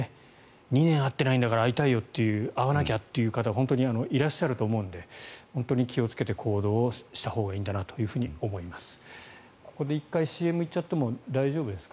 ２年会ってないんだから会いたいよ会わなきゃという方いらっしゃると思うので本当に気をつけて行動したほうがいいんだなと思います。